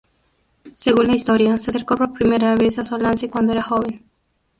Según la historia, se acercó por primera vez a Solace cuando era joven.